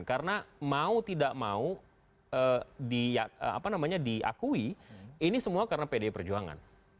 karena mau tidak mau diakui ini semua karena pdi perjuangan